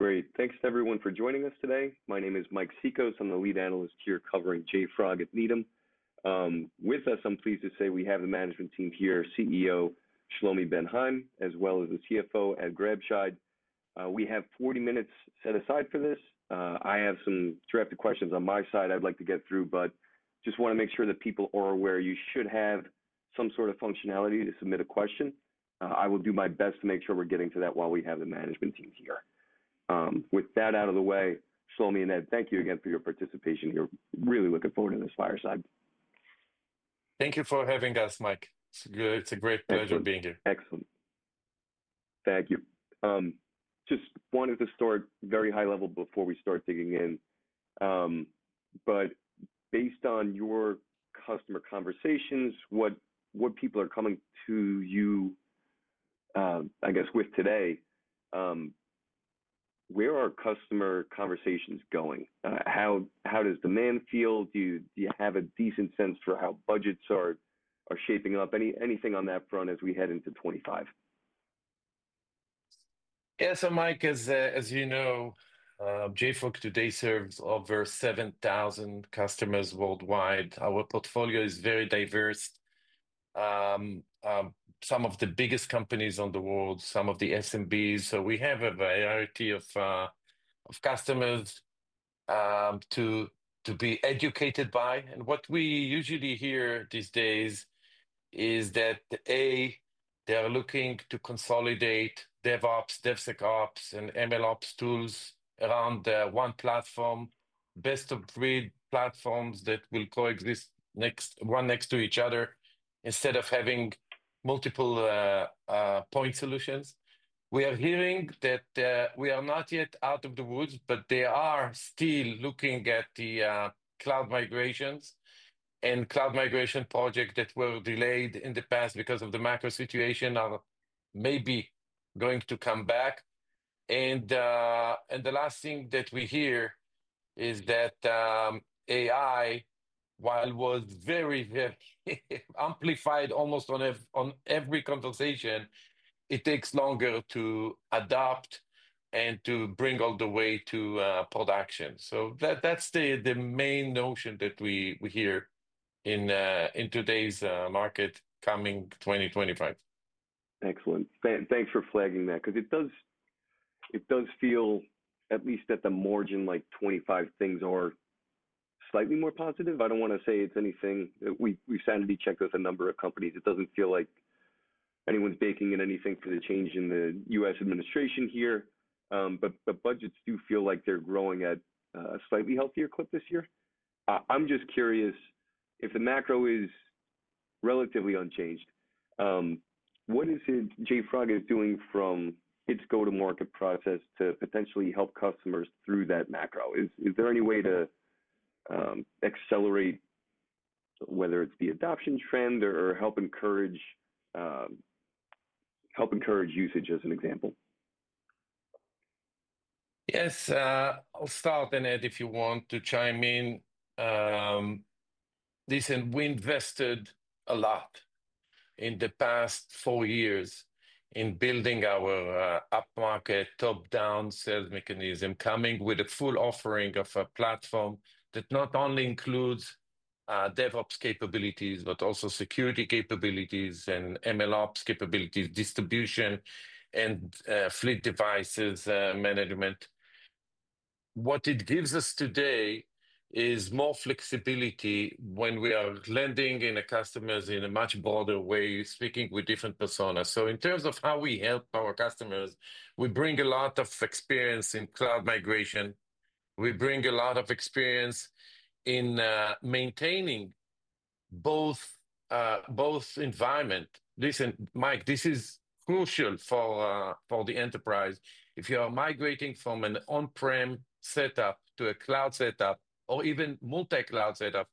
Great. Thanks to everyone for joining us today. My name is Mike Cikos. I'm the lead analyst here covering JFrog at Needham. With us, I'm pleased to say we have the management team here, CEO, Shlomi Ben Haim, as well as the CFO, Ed Grabscheid. We have 40 minutes set aside for this. I have some direct questions on my side I'd like to get through, but just wanna make sure that people are aware. You should have some sort of functionality to submit a question. I will do my best to make sure we're getting to that while we have the management team here. With that out of the way, Shlomi and Ed, thank you again for your participation. You're really looking forward to this fireside. Thank you for having us, Mike. It's a great pleasure being here. Excellent. Thank you. Just wanted to start very high level before we start digging in. But based on your customer conversations, what people are coming to you, I guess with today, where are customer conversations going? How does demand feel? Do you have a decent sense for how budgets are shaping up? Anything on that front as we head into 2025? Yeah. So, Mike, as you know, JFrog today serves over 7,000 customers worldwide. Our portfolio is very diverse. Some of the biggest companies in the world, some of the SMBs. So we have a variety of customers to be educated by. And what we usually hear these days is that, A, they are looking to consolidate DevOps, DevSecOps, and MLOps tools around one platform, best-of-breed platforms that will coexist next to each other instead of having multiple point solutions. We are hearing that we are not yet out of the woods, but they are still looking at the cloud migrations. And cloud migration projects that were delayed in the past because of the macro situation are maybe going to come back. The last thing that we hear is that AI, while was very amplified almost on every conversation, it takes longer to adapt and to bring all the way to production. That's the main notion that we hear in today's market coming 2025. Excellent. Thanks for flagging that 'cause it does feel, at least at the margin, like 2025, things are slightly more positive. I don't wanna say it's anything that we've sadly checked with a number of companies. It doesn't feel like anyone's baking in anything for the change in the US administration here, but budgets do feel like they're growing at a slightly healthier clip this year. I'm just curious if the macro is relatively unchanged. What is it JFrog is doing from its go-to-market process to potentially help customers through that macro? Is there any way to accelerate whether it's the adoption trend or help encourage usage as an example? Yes. I'll start in it if you want to chime in. Listen, we invested a lot in the past four years in building our up-market, top-down sales mechanism, coming with a full offering of a platform that not only includes DevOps capabilities but also security capabilities and MLOps capabilities, distribution, and fleet device management. What it gives us today is more flexibility when we are landing in a customer's in a much broader way, speaking with different personas. So in terms of how we help our customers, we bring a lot of experience in cloud migration. We bring a lot of experience in maintaining both environments. Listen, Mike, this is crucial for the enterprise. If you are migrating from an on-prem setup to a cloud setup or even multi-cloud setup,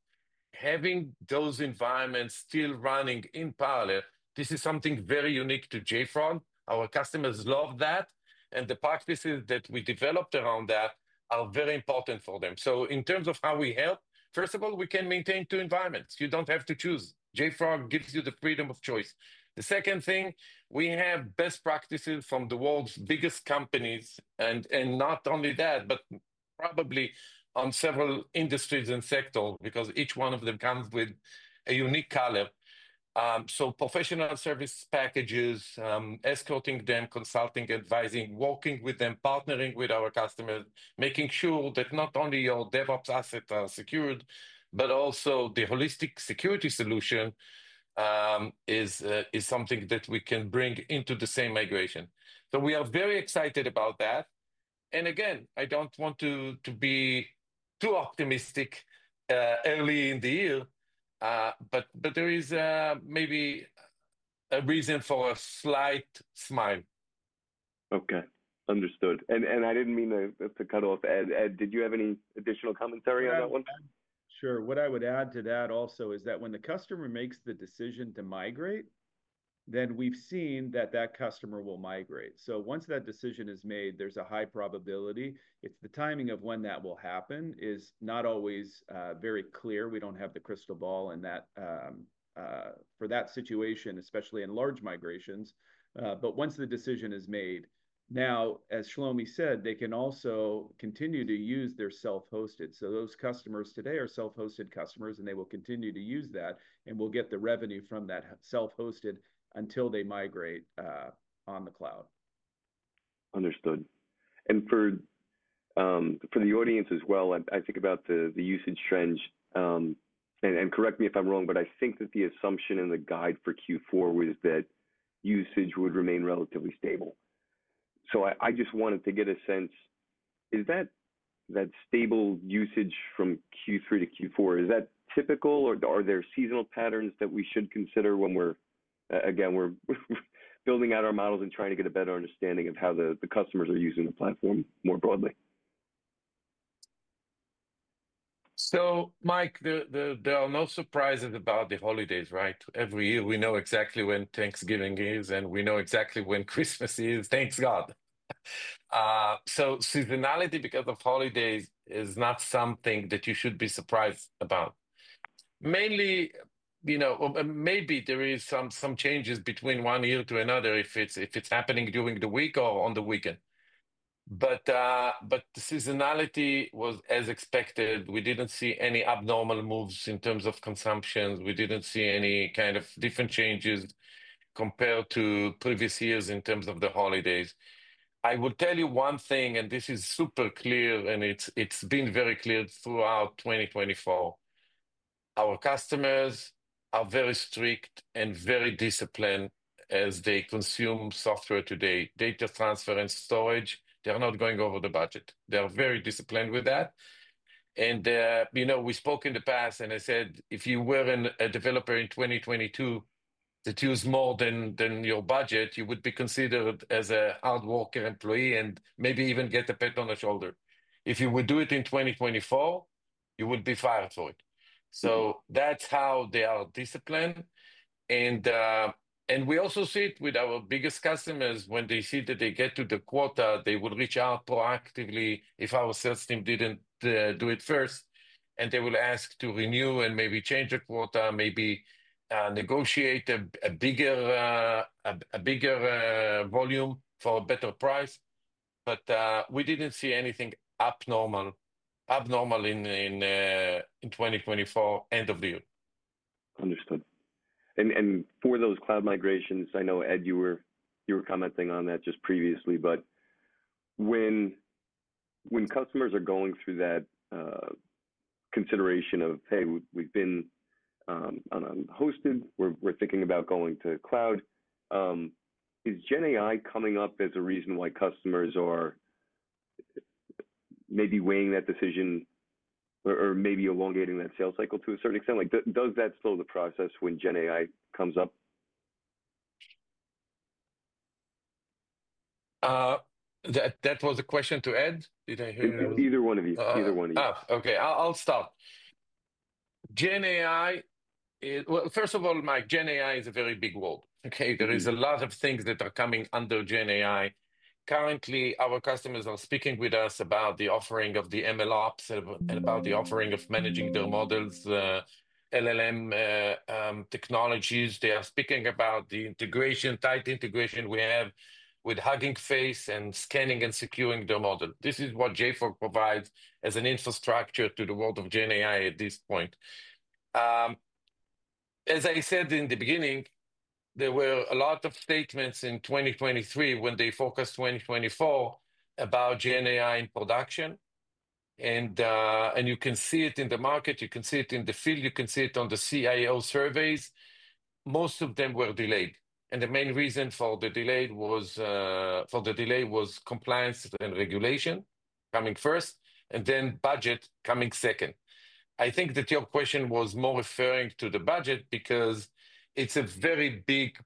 having those environments still running in parallel, this is something very unique to JFrog. Our customers love that, and the practices that we developed around that are very important for them. So in terms of how we help, first of all, we can maintain two environments. You don't have to choose. JFrog gives you the freedom of choice. The second thing, we have best practices from the world's biggest companies. And not only that, but probably on several industries and sectors because each one of them comes with a unique color. So professional service packages, escorting them, consulting, advising, working with them, partnering with our customers, making sure that not only your DevOps assets are secured, but also the holistic security solution is something that we can bring into the same migration. So we are very excited about that. And again, I don't want to be too optimistic, early in the year. But there is maybe a reason for a slight smile. Okay. Understood, and I didn't mean to cut off. Ed, did you have any additional commentary on that one? Sure. What I would add to that also is that when the customer makes the decision to migrate, then we've seen that that customer will migrate. So once that decision is made, there's a high probability. It's the timing of when that will happen is not always very clear. We don't have the crystal ball in that, for that situation, especially in large migrations, but once the decision is made, now, as Shlomi said, they can also continue to use their self-hosted. So those customers today are self-hosted customers, and they will continue to use that, and we'll get the revenue from that self-hosted until they migrate, on the cloud. Understood. And for the audience as well, I think about the usage trends. And correct me if I'm wrong, but I think that the assumption in the guide for Q4 was that usage would remain relatively stable. So I just wanted to get a sense, is that stable usage from Q3 to Q4, is that typical, or are there seasonal patterns that we should consider when we're building out our models and trying to get a better understanding of how the customers are using the platform more broadly? Mike, there are no surprises about the holidays, right? Every year we know exactly when Thanksgiving is, and we know exactly when Christmas is, thank God. Seasonality because of holidays is not something that you should be surprised about. Mainly, you know, maybe there is some changes between one year to another if it's happening during the week or on the weekend. But the seasonality was as expected. We didn't see any abnormal moves in terms of consumption. We didn't see any kind of different changes compared to previous years in terms of the holidays. I will tell you one thing, and this is super clear, and it's been very clear throughout 2024. Our customers are very strict and very disciplined as they consume software today, data transfer and storage. They're not going over the budget. They're very disciplined with that. You know, we spoke in the past, and I said, if you were a developer in 2022 that used more than your budget, you would be considered as a hard worker employee and maybe even get a pat on the shoulder. If you would do it in 2024, you would be fired for it. So that's how they are disciplined. And we also see it with our biggest customers. When they see that they get to the quota, they will reach out proactively if our sales team didn't do it first. And they will ask to renew and maybe change the quota, maybe negotiate a bigger volume for a better price. But we didn't see anything abnormal in 2024 end of the year. Understood. And for those cloud migrations, I know, Ed, you were commenting on that just previously, but when customers are going through that, consideration of, hey, we've been on-prem hosted, we're thinking about going to cloud, is GenAI coming up as a reason why customers are maybe weighing that decision or maybe elongating that sales cycle to a certain extent? Like, does that slow the process when GenAI comes up? That was a question to Ed? Did I hear you? Either one of you. Either one of you. Okay. I'll stop. GenAI, well, first of all, Mike, GenAI is a very big world. Okay? There is a lot of things that are coming under GenAI. Currently, our customers are speaking with us about the offering of the MLOps and about the offering of managing their models, LLM, technologies. They are speaking about the integration, tight integration we have with Hugging Face and scanning and securing their model. This is what JFrog provides as an infrastructure to the world of GenAI at this point. As I said in the beginning, there were a lot of statements in 2023 when they forecasted 2024 about GenAI in production. You can see it in the market. You can see it in the field. You can see it on the CIO surveys. Most of them were delayed. And the main reason for the delay was compliance and regulation coming first and then budget coming second. I think that your question was more referring to the budget because it's a very big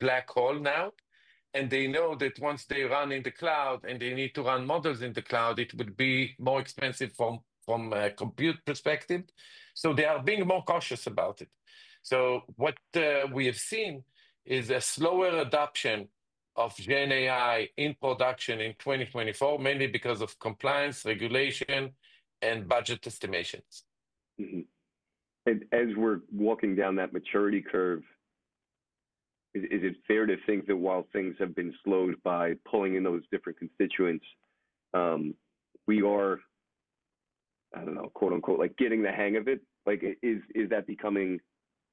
black hole now. And they know that once they run in the cloud and they need to run models in the cloud, it would be more expensive from a compute perspective. So what we have seen is a slower adoption of GenAI in production in 2024, mainly because of compliance, regulation, and budget estimations. Mm-hmm. And as we're walking down that maturity curve, is it fair to think that while things have been slowed by pulling in those different constituents, we are, I don't know, quote unquote, like getting the hang of it? Like, is that becoming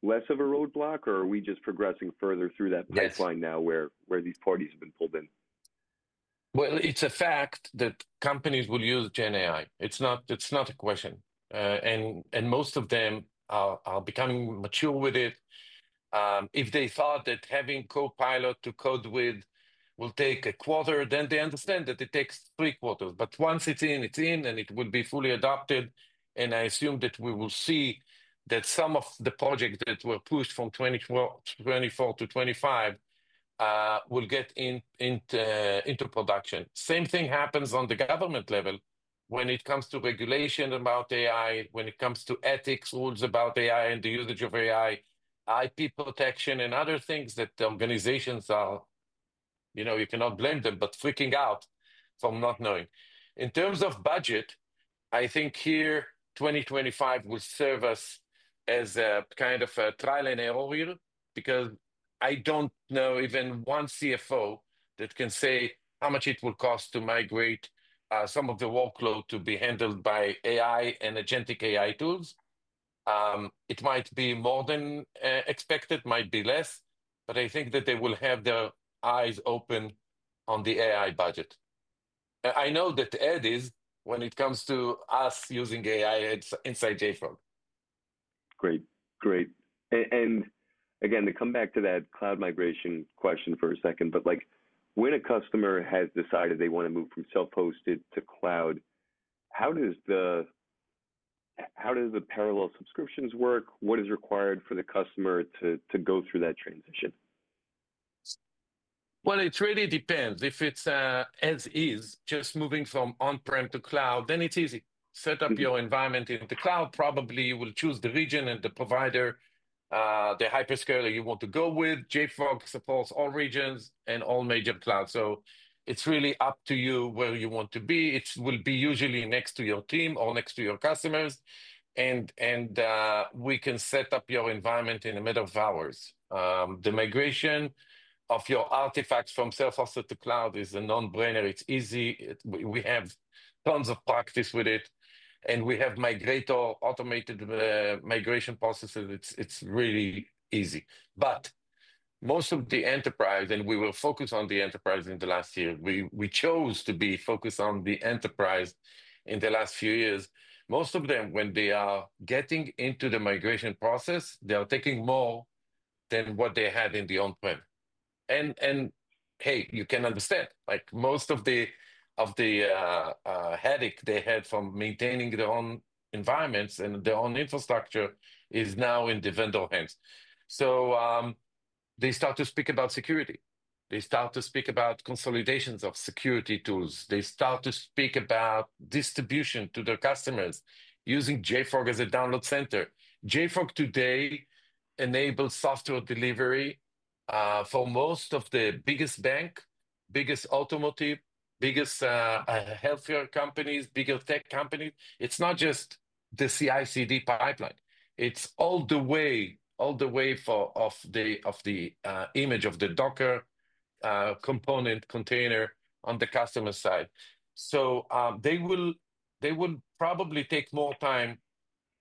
less of a roadblock, or are we just progressing further through that pipeline now where these parties have been pulled in? It's a fact that companies will use GenAI. It's not, it's not a question. And most of them are becoming mature with it. If they thought that having Copilot to code with will take a quarter, then they understand that it takes three quarters. But once it's in, it's in, and it will be fully adopted. And I assume that we will see that some of the projects that were pushed from 2024 to 2025 will get into production. Same thing happens on the government level when it comes to regulation about AI, when it comes to ethics rules about AI and the usage of AI, IP protection, and other things that organizations are, you know, you cannot blame them, but freaking out from not knowing. In terms of budget, I think here 2025 will serve us as a kind of a trial and error year because I don't know even one CFO that can say how much it will cost to migrate some of the workload to be handled by AI and agentic AI tools. It might be more than expected, might be less, but I think that they will have their eyes open on the AI budget. I know that Ed is when it comes to us using AI inside JFrog. Great. Great. And again, to come back to that cloud migration question for a second, but like when a customer has decided they wanna move from self-hosted to cloud, how does the parallel subscriptions work? What is required for the customer to go through that transition? It really depends. If it's, as is, just moving from on-prem to cloud, then it is set up your environment in the cloud. Probably you will choose the region and the provider, the hyperscaler you want to go with. JFrog supports all regions and all major clouds. It's really up to you where you want to be. It will be usually next to your team or next to your customers. And we can set up your environment in a matter of hours. The migration of your artifacts from self-hosted to cloud is a non-brainer. It's easy. We have tons of practice with it, and we have migrator automated, migration processes. It's really easy. But most of the enterprise, and we will focus on the enterprise in the last year, we chose to be focused on the enterprise in the last few years. Most of them, when they are getting into the migration process, they are taking more than what they had in the on-prem. And hey, you can understand, like most of the headache they had from maintaining their own environments and their own infrastructure is now in the vendor hands. So, they start to speak about security. They start to speak about consolidations of security tools. They start to speak about distribution to their customers using JFrog as a download center. JFrog today enables software delivery for most of the biggest bank, biggest automotive, biggest healthcare companies, bigger tech companies. It's not just the CI/CD pipeline. It's all the way to the Docker image, component container on the customer side. So, they will probably take more time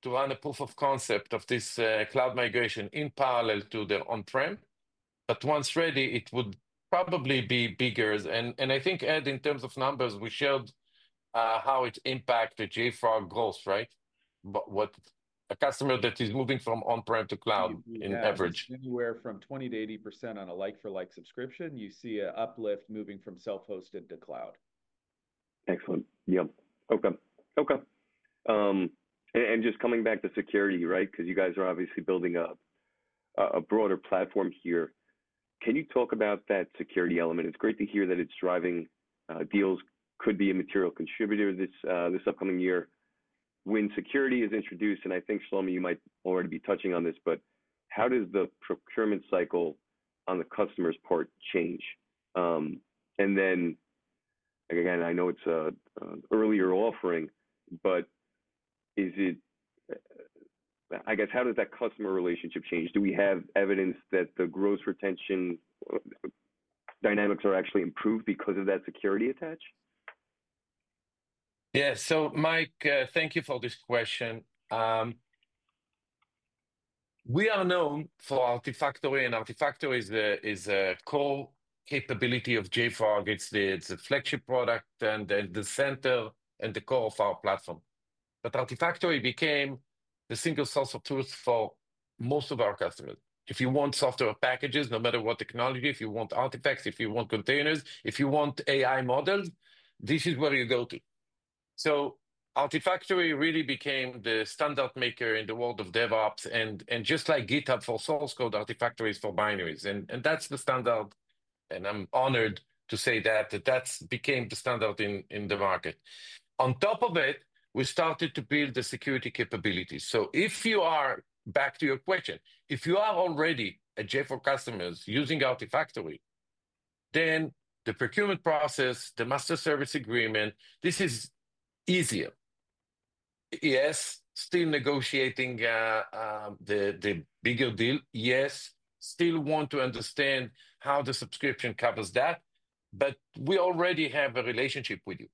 to run a proof of concept of this cloud migration in parallel to their on-prem. But once ready, it would probably be bigger. And I think Ed, in terms of numbers, we showed how it impacted JFrog growth, right? But what a customer that is moving from on-prem to cloud on average. Anywhere from 20%-80% on a like-for-like subscription, you see an uplift moving from self-hosted to cloud. Excellent. Yep. Okay. And just coming back to security, right? 'Cause you guys are obviously building a broader platform here. Can you talk about that security element? It's great to hear that it's driving deals could be a material contributor this upcoming year. When security is introduced, and I think Shlomi, you might already be touching on this, but how does the procurement cycle on the customer's part change? And then again, I know it's an earlier offering, but is it, I guess, how does that customer relationship change? Do we have evidence that the gross retention dynamics are actually improved because of that security attached? Yeah. So, Mike, thank you for this question. We are known for Artifactory, and Artifactory is a core capability of JFrog. It's a flagship product and the center and the core of our platform. But Artifactory became the single source of truth for most of our customers. If you want software packages, no matter what technology, if you want artifacts, if you want containers, if you want AI models, this is where you go to. So Artifactory really became the standard maker in the world of DevOps. And just like GitHub for source code, Artifactory is for binaries. And that's the standard. And I'm honored to say that that's became the standard in the market. On top of it, we started to build the security capabilities. So if you are back to your question, if you are already a JFrog customer using Artifactory, then the procurement process, the master service agreement, this is easier. Yes, still negotiating the bigger deal. Yes, still want to understand how the subscription covers that, but we already have a relationship with you.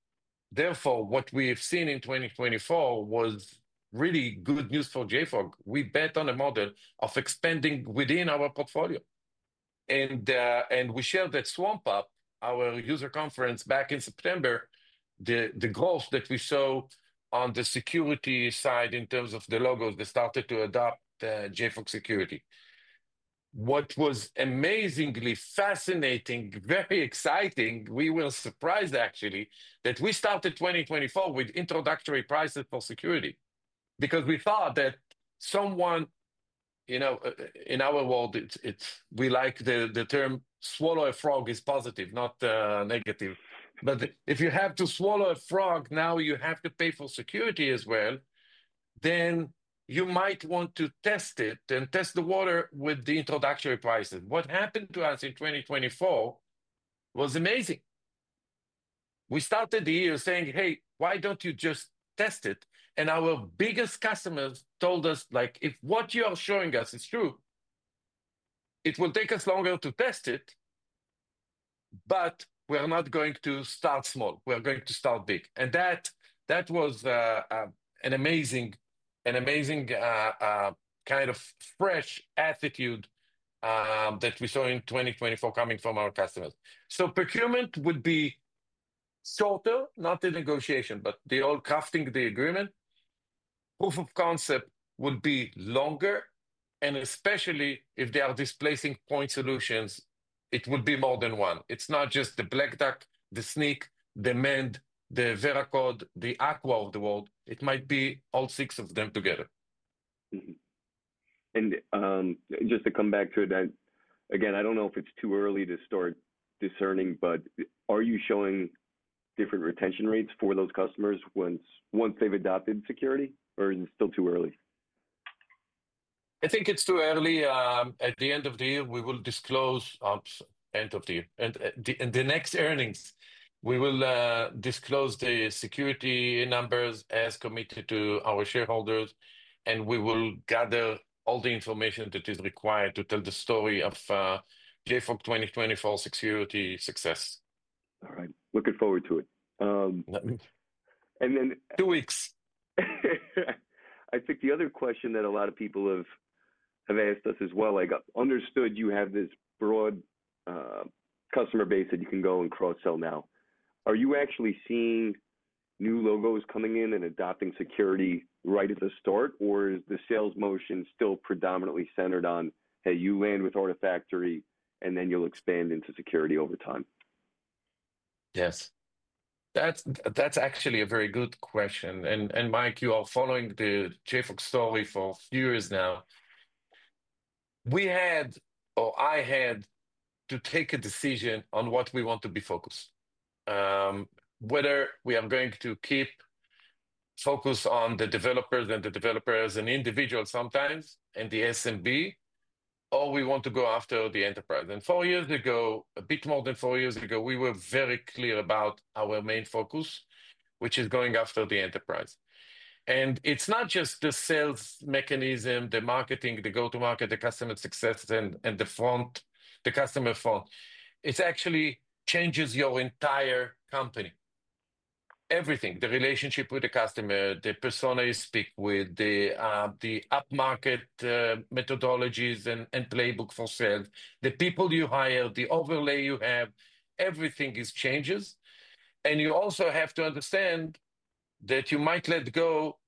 Therefore, what we've seen in 2024 was really good news for JFrog. We bet on a model of expanding within our portfolio. And we shared that swampUP our user conference back in September, the growth that we saw on the security side in terms of the logos they started to adopt JFrog Security. What was amazingly fascinating, very exciting, we were surprised actually that we started 2024 with introductory prices for security because we thought that someone, you know, in our world, it's we like the term swallow a frog is positive, not negative. But if you have to swallow a frog, now you have to pay for security as well, then you might want to test it and test the water with the introductory prices. What happened to us in 2024 was amazing. We started the year saying, hey, why don't you just test it, and our biggest customers told us, like, if what you are showing us is true, it will take us longer to test it, but we are not going to start small. We are going to start big. That was an amazing kind of fresh attitude that we saw in 2024 coming from our customers. So procurement would be shorter, not the negotiation, but the old crafting the agreement. Proof of concept would be longer. Especially if they are displacing point solutions, it would be more than one. It's not just the Black Duck, the Snyk, the Mend, the Veracode, the Aqua of the world. It might be all six of them together. Mm-hmm. And, just to come back to that, again, I don't know if it's too early to start discerning, but are you showing different retention rates for those customers once they've adopted security, or is it still too early? I think it's too early. At the end of the year, we will disclose, and the next earnings, we will disclose the security numbers as committed to our shareholders, and we will gather all the information that is required to tell the story of JFrog 2024 security success. All right. Looking forward to it. Two weeks. I think the other question that a lot of people have asked us as well. I understand you have this broad customer base that you can go and cross-sell now. Are you actually seeing new logos coming in and adopting security right at the start, or is the sales motion still predominantly centered on, hey, you land with Artifactory and then you'll expand into security over time? Yes. That's, that's actually a very good question. And, and Mike, you are following the JFrog story for a few years now. We had, or I had to take a decision on what we want to be focused, whether we are going to keep focus on the developers and the developers and individuals sometimes and the SMB, or we want to go after the enterprise. And four years ago, a bit more than four years ago, we were very clear about our main focus, which is going after the enterprise. And it's not just the sales mechanism, the marketing, the go-to-market, the customer success, and, and the front, the customer front. It actually changes your entire company. Everything, the relationship with the customer, the persona you speak with, the, the upmarket, methodologies and, and playbook for sales, the people you hire, the overlay you have, everything changes. You also have to understand that you might let go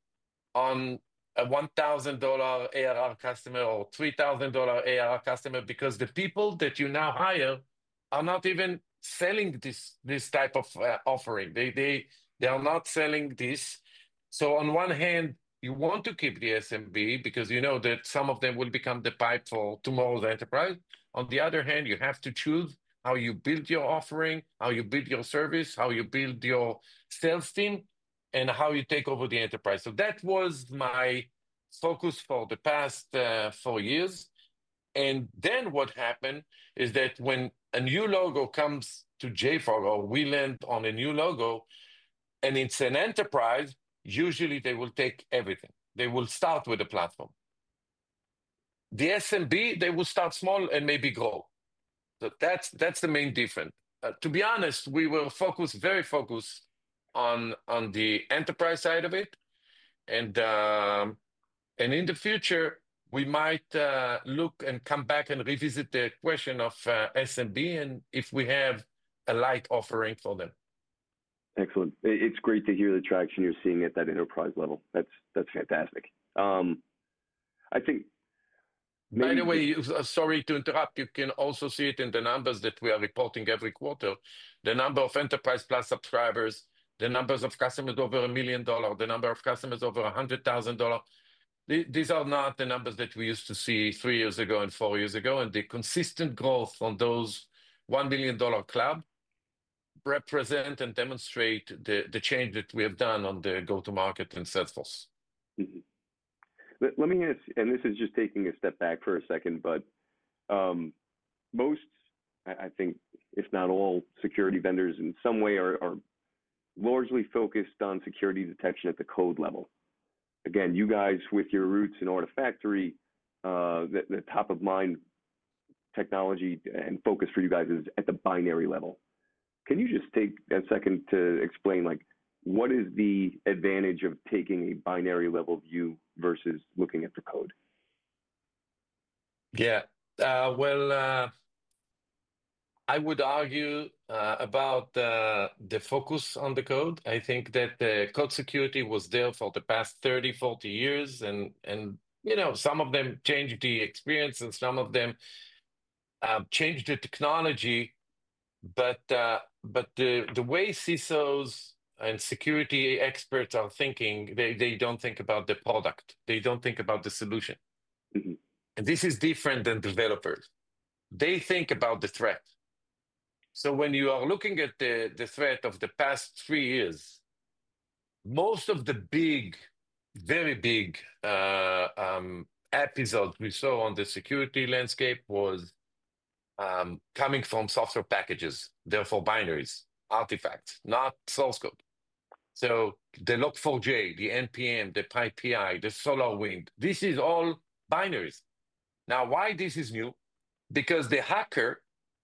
on a $1,000 ARR customer or $3,000 ARR customer because the people that you now hire are not even selling this type of offering. They are not selling this. On one hand, you want to keep the SMB because you know that some of them will become the pipe for tomorrow's enterprise. On the other hand, you have to choose how you build your offering, how you build your service, how you build your sales team, and how you take over the enterprise. That was my focus for the past four years. What happened is that when a new logo comes to JFrog or we land on a new logo and it's an enterprise, usually they will take everything. They will start with a platform. The SMB, they will start small and maybe grow. So that's the main difference. To be honest, we were focused, very focused on the enterprise side of it. And in the future, we might look and come back and revisit the question of SMB and if we have a light offering for them. Excellent. It's great to hear the traction you're seeing at that enterprise level. That's, that's fantastic. I think. By the way, sorry to interrupt, you can also see it in the numbers that we are reporting every quarter. The number of Enterprise Plus subscribers, the numbers of customers over $1 million, the number of customers over $100,000. These are not the numbers that we used to see three years ago and four years ago and the consistent growth on those $1 million club represents and demonstrates the change that we have done on the go-to-market and sales force. Mm-hmm. Let me ask, and this is just taking a step back for a second, but most, I think, if not all security vendors in some way are largely focused on security detection at the code level. Again, you guys with your roots in Artifactory, the top of mind technology and focus for you guys is at the binary level. Can you just take a second to explain, like, what is the advantage of taking a binary level view versus looking at the code? Yeah, well, I would argue about the focus on the code. I think that the code security was there for the past 30, 40 years. And, you know, some of them changed the experience and some of them changed the technology. But the way CISOs and security experts are thinking, they don't think about the product. They don't think about the solution. Mm-hmm. This is different than developers. They think about the threat. So when you are looking at the threat of the past three years, most of the big, very big, episodes we saw on the security landscape was coming from software packages, therefore binaries, artifacts, not source code. So the Log4j, the npm, the PyPI, the SolarWinds, this is all binaries. Now, why this is new? Because the hacker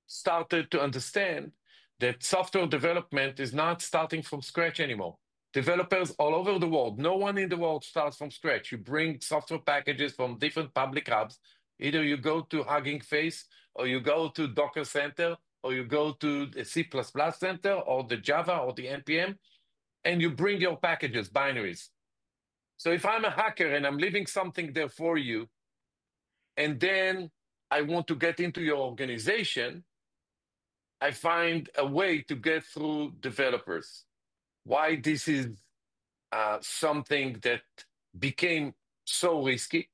started to understand that software development is not starting from scratch anymore. Developers all over the world, no one in the world starts from scratch. You bring software packages from different public hubs. Either you go to Hugging Face or you go to Docker Hub, or you go to the C/C++ center or the Java or the npm, and you bring your packages, binaries. If I'm a hacker and I'm leaving something there for you, and then I want to get into your organization, I find a way to get through developers. Why this is something that became so risky?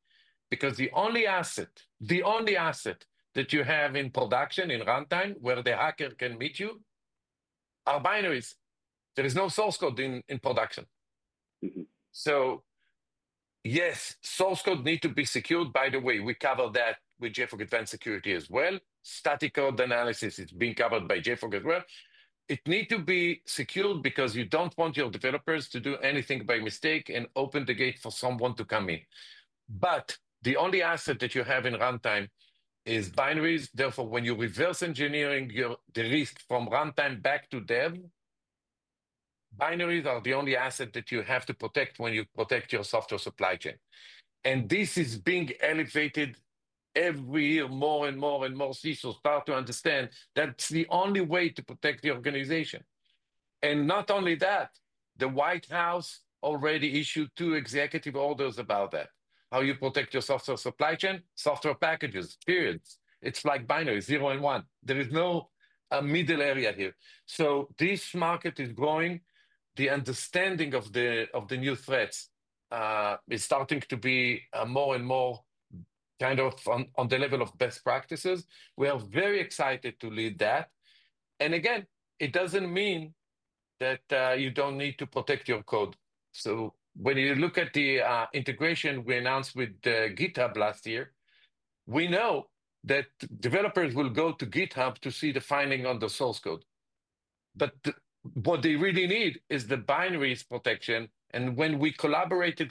Because the only asset, the only asset that you have in production in runtime where the hacker can meet you are binaries. There is no source code in production. Mm-hmm. So yes, source code needs to be secured. By the way, we cover that with JFrog Advanced Security as well. Static code analysis is being covered by JFrog as well. It needs to be secured because you don't want your developers to do anything by mistake and open the gate for someone to come in. But the only asset that you have in runtime is binaries. Therefore, when you reverse engineering your, the risk from runtime back to dev, binaries are the only asset that you have to protect when you protect your software supply chain. And this is being elevated every year more and more and more CISOs start to understand that's the only way to protect the organization. And not only that, the White House already issued two executive orders about that. How you protect your software supply chain, software packages, period. It's like binary, zero and one. There is no middle area here. So this market is growing. The understanding of the new threats is starting to be more and more kind of on the level of best practices. We are very excited to lead that. And again, it doesn't mean that you don't need to protect your code. So when you look at the integration we announced with GitHub last year, we know that developers will go to GitHub to see the finding on the source code. But what they really need is the binaries protection. And when we collaborated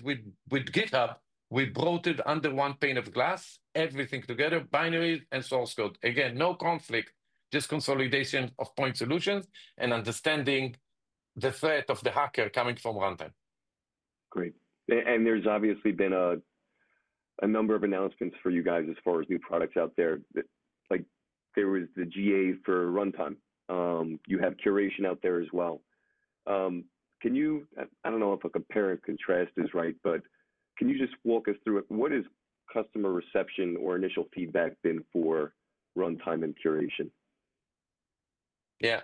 with GitHub, we brought it under one pane of glass, everything together, binaries and source code. Again, no conflict, just consolidation of point solutions and understanding the threat of the hacker coming from runtime. Great, and there's obviously been a number of announcements for you guys as far as new products out there that, like, there was the GA for runtime. You have curation out there as well. Can you, I don't know if a compare and contrast is right, but can you just walk us through it? What has customer reception or initial feedback been for runtime and curation? Yeah.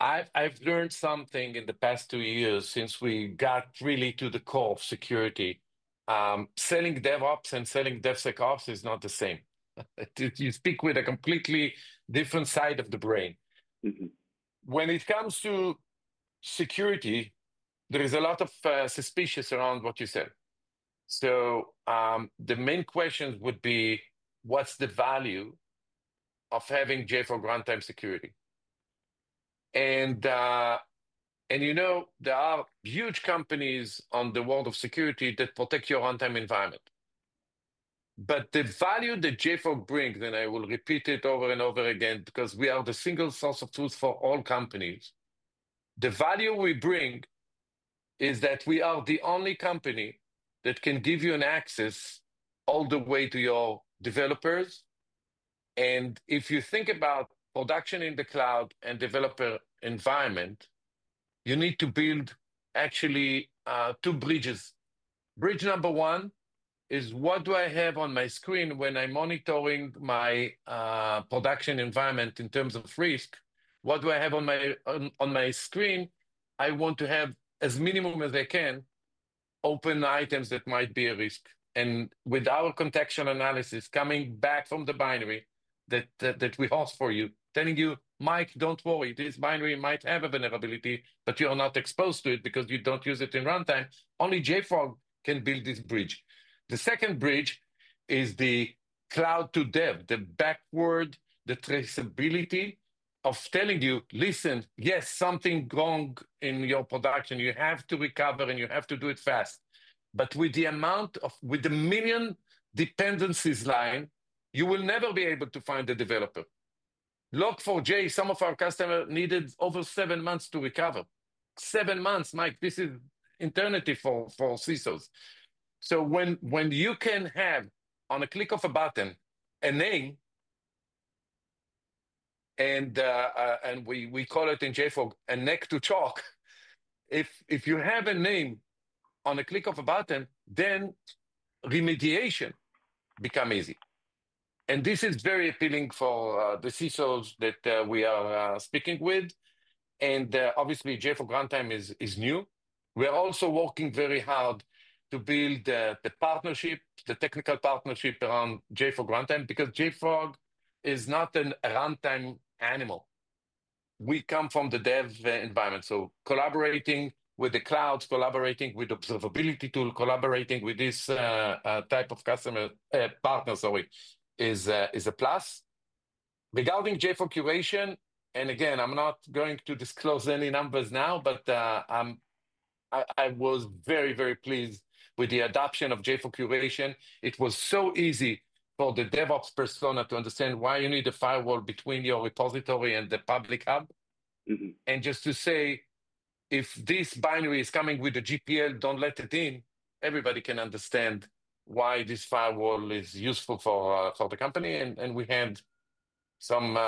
I've learned something in the past two years since we got really to the core of security. Selling DevOps and selling DevSecOps is not the same. You speak with a completely different side of the brain. Mm-hmm. When it comes to security, there is a lot of suspicion around what you said. So, the main questions would be, what's the value of having JFrog Runtime Security? And you know, there are huge companies in the world of security that protect your runtime environment. But the value that JFrog brings, and I will repeat it over and over again because we are the single source of truth for all companies, the value we bring is that we are the only company that can give you access all the way to your developers. And if you think about production in the cloud and developer environment, you need to build actually two bridges. Bridge number one is what do I have on my screen when I'm monitoring my production environment in terms of risk? What do I have on my screen? I want to have as minimum as I can open items that might be a risk, and with our contextual analysis coming back from the binary that we host for you, telling you, Mike, don't worry, this binary might have a vulnerability, but you are not exposed to it because you don't use it in runtime. Only JFrog can build this bridge. The second bridge is the cloud to dev, the backward, the traceability of telling you, listen, yes, something's wrong in your production. You have to recover and you have to do it fast, but with the million dependencies line, you will never be able to find the developer. Log4j, some of our customers needed over seven months to recover. Seven months, Mike, this is an alternative for CISOs. So when you can have on a click of a button a name, and we call it in JFrog next to zero, if you have a name on a click of a button, then remediation becomes easy. And this is very appealing for the CISOs that we are speaking with. And obviously JFrog Runtime is new. We are also working very hard to build the partnership, the technical partnership around JFrog Runtime because JFrog is not a runtime animal. We come from the dev environment. So collaborating with the clouds, collaborating with observability tools, collaborating with this type of customer, partner, sorry, is a plus. Regarding JFrog Curation, and again, I'm not going to disclose any numbers now, but I was very pleased with the adoption of JFrog Curation. It was so easy for the DevOps persona to understand why you need a firewall between your repository and the public hub. Mm-hmm. And just to say, if this binary is coming with a GPL, don't let it in. Everybody can understand why this firewall is useful for the company. And we had some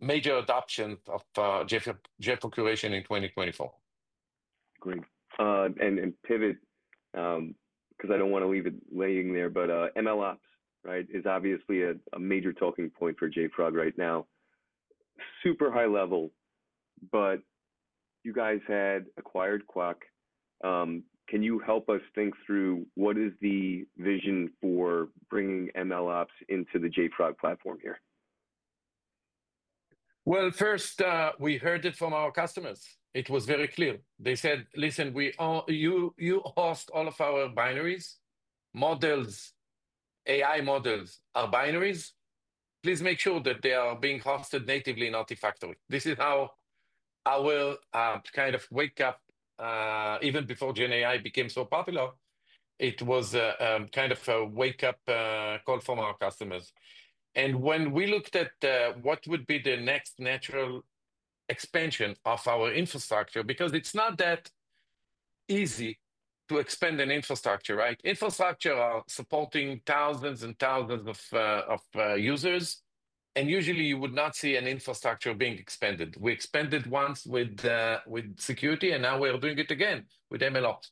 major adoption of JFrog Curation in 2024. Great. And pivot, 'cause I don't wanna leave it laying there, but MLOps, right, is obviously a major talking point for JFrog right now. Super high level, but you guys had acquired Qwak. Can you help us think through what is the vision for bringing MLOps into the JFrog platform here? First, we heard it from our customers. It was very clear. They said, listen, we all, you host all of our binaries, models, AI models are binaries. Please make sure that they are being hosted natively in Artifactory. This is how our kind of wakeup call from our customers, even before GenAI became so popular. And when we looked at what would be the next natural expansion of our infrastructure, because it's not that easy to expand an infrastructure, right? Infrastructure are supporting thousands and thousands of users. And usually you would not see an infrastructure being expanded. We expanded once with security, and now we are doing it again with MLOps.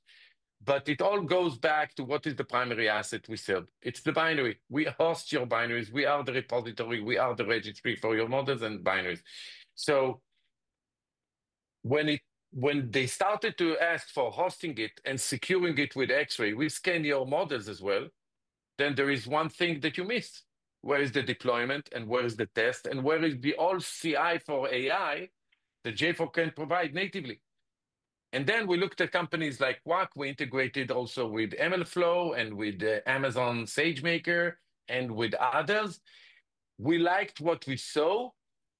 But it all goes back to what is the primary asset we sell. It's the binary. We host your binaries. We are the repository. We are the registry for your models and binaries. So when they started to ask for hosting it and securing it with Xray, we scan your models as well. Then there is one thing that you miss. Where is the deployment and where is the test and where is all the CI for AI that JFrog can provide natively? And then we looked at companies like Qwak. We integrated also with MLflow and with Amazon SageMaker and with others. We liked what we saw,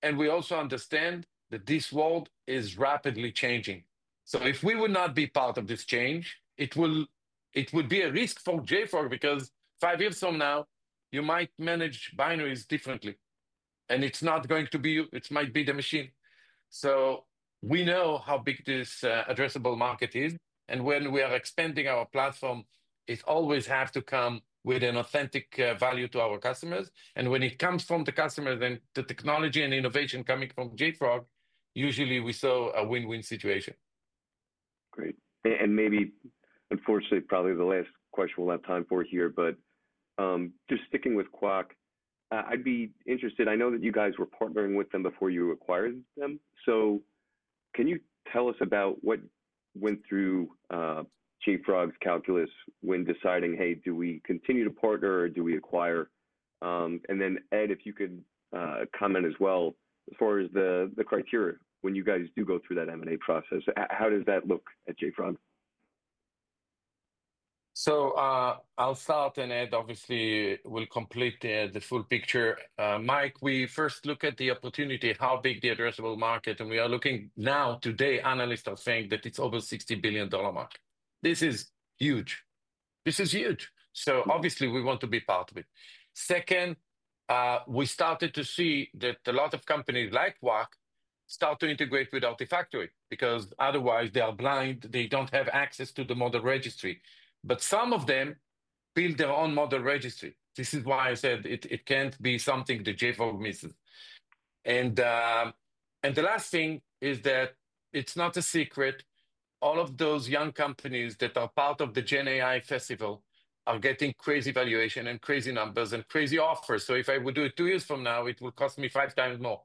and we also understand that this world is rapidly changing. So if we would not be part of this change, it would be a risk for JFrog because five years from now, you might manage binaries differently. And it's not going to be, it might be the machine. So we know how big this addressable market is. And when we are expanding our platform, it always has to come with an authentic value to our customers. And when it comes from the customers and the technology and innovation coming from JFrog, usually we saw a win-win situation. Great. And maybe, unfortunately, probably the last question we'll have time for here, but just sticking with Qwak, I'd be interested. I know that you guys were partnering with them before you acquired them. So can you tell us about what went through JFrog's calculus when deciding, hey, do we continue to partner or do we acquire? And then Ed, if you could comment as well as far as the criteria when you guys do go through that M&A process, how does that look at JFrog? So, I'll start and Ed obviously will complete the full picture. Mike, we first look at the opportunity, how big the addressable market. And we are looking now today. Analysts are saying that it's over $60 billion mark. This is huge. This is huge. So obviously we want to be part of it. Second, we started to see that a lot of companies like Qwak start to integrate with Artifactory because otherwise they are blind. They don't have access to the model registry. But some of them build their own model registry. This is why I said it. It can't be something that JFrog misses. And the last thing is that it's not a secret. All of those young companies that are part of the GenAI festival are getting crazy valuation and crazy numbers and crazy offers. So if I would do it two years from now, it will cost me five times more.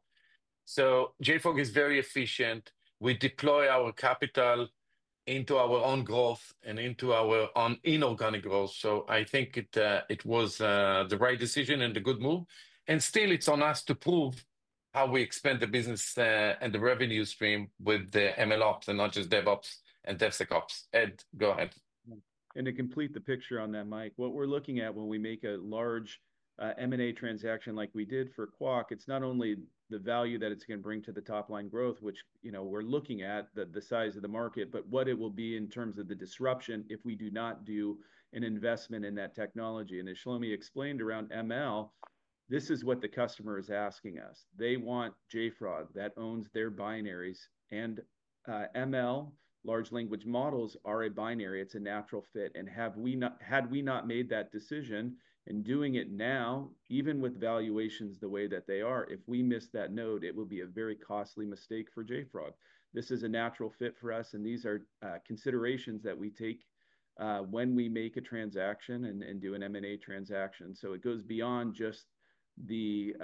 So JFrog is very efficient. We deploy our capital into our own growth and into our own inorganic growth. So I think it was the right decision and the good move. And still it's on us to prove how we expand the business, and the revenue stream with the MLOps and not just DevOps and DevSecOps. Ed, go ahead. And to complete the picture on that, Mike, what we're looking at when we make a large M&A transaction like we did for Qwak, it's not only the value that it's gonna bring to the top line growth, which, you know, we're looking at the size of the market, but what it will be in terms of the disruption if we do not do an investment in that technology. And as Shlomi explained around ML, this is what the customer is asking us. They want JFrog that owns their binaries and ML large language models are a binary. It's a natural fit. And have we not, had we not made that decision and doing it now, even with valuations the way that they are, if we miss that node, it will be a very costly mistake for JFrog. This is a natural fit for us. These are considerations that we take when we make a transaction and do an M&A transaction. So it goes beyond just the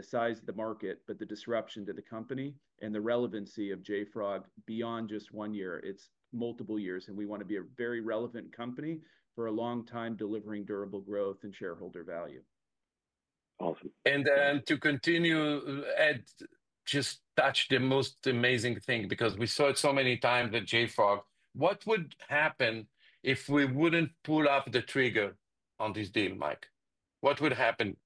size of the market, but the disruption to the company and the relevancy of JFrog beyond just one year. It's multiple years. We wanna be a very relevant company for a long time delivering durable growth and shareholder value. Awesome. And then to continue, Ed, just touch on the most amazing thing because we saw it so many times at JFrog. What would happen if we wouldn't pull the trigger on this deal, Mike? What would happen?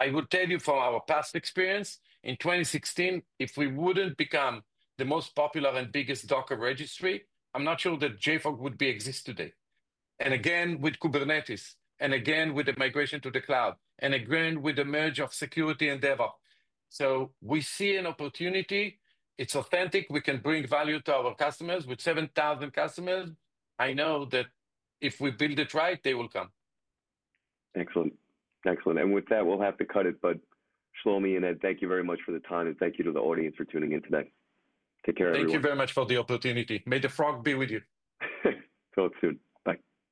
I will tell you from our past experience in 2016, if we wouldn't become the most popular and biggest Docker registry, I'm not sure that JFrog would exist today. And again, with Kubernetes, and again, with the migration to the cloud, and again, with the merge of security and DevOps. So we see an opportunity. It's authentic. We can bring value to our customers. With 7,000 customers, I know that if we build it right, they will come. Excellent. Excellent. And with that, we'll have to cut it. But Shlomi and Ed, thank you very much for the time. And thank you to the audience for tuning in today. Take care everyone. Thank you very much for the opportunity. May the Frog be with you. Talk soon. Bye.